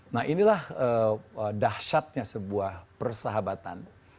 nah inilah dahsyatnya sebuah persahabatan